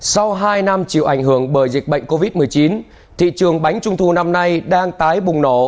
sau hai năm chịu ảnh hưởng bởi dịch bệnh covid một mươi chín thị trường bánh trung thu năm nay đang tái bùng nổ